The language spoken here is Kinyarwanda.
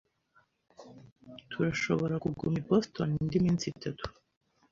Turashobora kuguma i Boston indi minsi itatu.